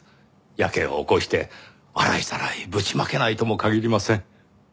やけを起こして洗いざらいぶちまけないとも限りません。